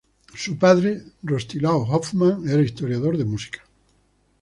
Su padre Rostislav Hofmann era historiador de música.